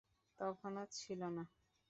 তখনও ছিল না?